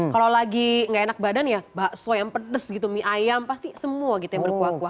kalau lagi nggak enak badan ya bakso yang pedes gitu mie ayam pasti semua gitu yang berkuah kuah